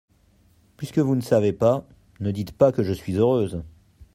Puisque vous ne savez pas, ne dites pas que je suis heureuse.